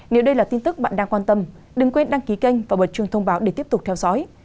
nếu đây là tin tức bạn đang quan tâm đừng quên đăng ký kênh và bật truyền thông báo để tiếp tục theo dõi